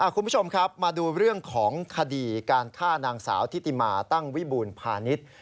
คุณผู้ชมครับมาดูเรื่องของคดีการฆ่านางสาวทิติมาตั้งวิบูรพาณิชย์